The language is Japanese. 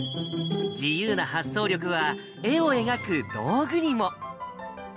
自由な発想力は、絵を描く道具にも。